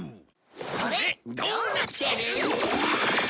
それどうなってる？